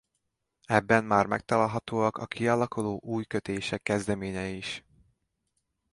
Ebben már megtalálhatóak a kialakuló új kötések kezdeményei is.